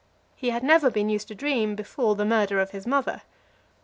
He had never been used to dream before the murder of his mother.